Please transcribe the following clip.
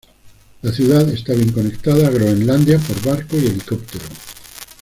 La ciudad está bien conectada a Groenlandia por barco y helicóptero.